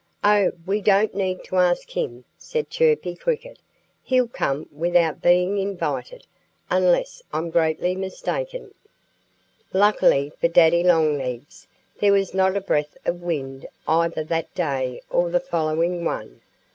"Oh! we don't need to ask him," said Chirpy Cricket. "He'll come without being invited, unless I'm greatly mistaken." Luckily for Daddy Longlegs there was not a breath of wind either that day or the following one.